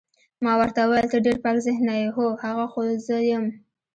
ما ورته وویل ته ډېر پاک ذهنه یې، هو، هغه خو زه یم.